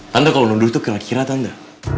tante kalo nuduh itu kira kira tante